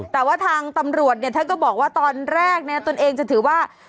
แต่ว่าทางตำรวจเนี่ยท่านก็บอกว่าตอนแรกตนเองจะถือว่า